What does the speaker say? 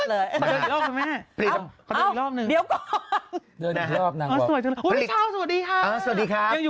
เออเสียงเดียวกับสมาร์ทเลย